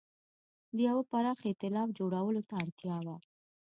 د یوه پراخ اېتلاف جوړولو ته اړتیا وه.